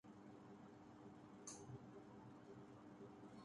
دفعہ ہو جائو